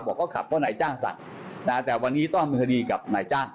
บอกเขาขับเพราะว่าไหนจ้างสั่งแต่วันนี้ต้องมือคดีกับไหนจ้าง